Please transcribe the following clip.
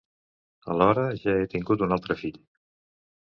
Alhora jo he tingut un altre fill.